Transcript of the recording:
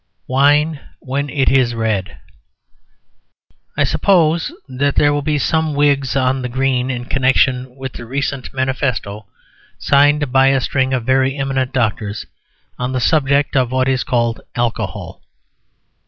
WINE WHEN IT IS RED I suppose that there will be some wigs on the green in connection with the recent manifesto signed by a string of very eminent doctors on the subject of what is called "alcohol."